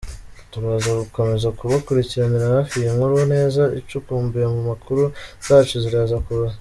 Turaza Gukomeza Kubakurikiranira hafi iyi nkuru neza icukumbuye mu makuru zacu ziraza kuza ……..